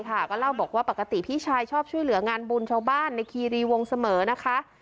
ก็เล่าบอกว่าปกติพี่ชายชอบช่วยเหลืองานบุญชาวบ้านในคีรีวงเสมอนะคะ